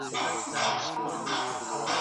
تاسو باید د داسې پیاوړي ناولونو قدر وکړئ.